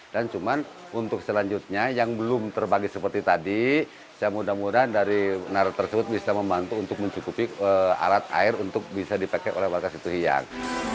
dan cuma untuk selanjutnya yang belum terbagi seperti tadi saya mudah mudahan dari naras tersebut bisa membantu untuk mencukupi alat air untuk bisa dipakai oleh warga situhiang